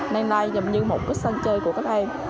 nên là như một cái săn chơi của các em